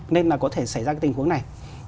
nên là có thể xảy ra tình huống này